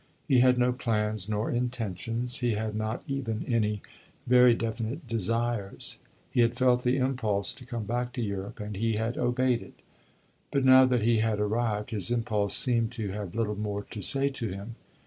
He had no plans nor intentions; he had not even any very definite desires. He had felt the impulse to come back to Europe, and he had obeyed it; but now that he had arrived, his impulse seemed to have little more to say to him.